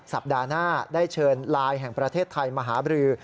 สัปดาห์หน้าได้เชิญไลน์แห่งประเทศไทยมาหาบรือ